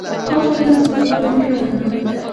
افرین ستا پر مېړانه!